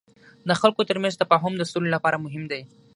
د خلکو ترمنځ تفاهم د سولې لپاره مهم دی.